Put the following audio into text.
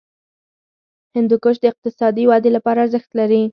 هندوکش د اقتصادي ودې لپاره ارزښت لري.